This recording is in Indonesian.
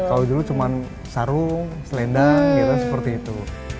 kalau dulu cuma sarung selendang gitu kan seperti itu